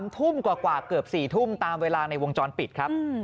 ทุ่มกว่าเกือบ๔ทุ่มตามเวลาในวงจรปิดครับ